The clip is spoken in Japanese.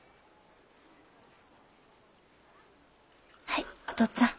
はいお父っつぁん。